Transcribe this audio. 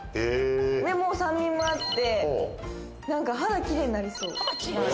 でも酸味もあって何か肌キレイになりそう。